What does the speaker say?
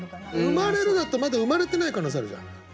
「生まれる」だとまだ生まれてない可能性あるじゃない。